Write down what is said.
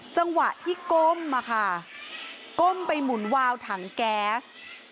จังหวะที่ก้มมาค่ะก้มไปหมุนวาวถังแก๊ส